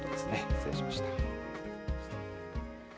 失礼しました。